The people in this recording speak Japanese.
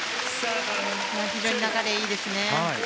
非常に流れがいいですね。